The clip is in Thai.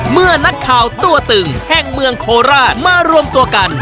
เมื่อนักข่าวตัวตึงแห่งเมืองโคราชมารวมตัวกัน